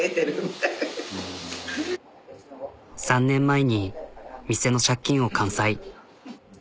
３年前に店の借金を完済。